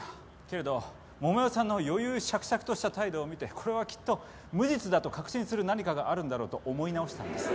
けれど桃代さんの余裕綽々とした態度を見てこれはきっと無実だと確信する何かがあるんだろうと思い直したんです。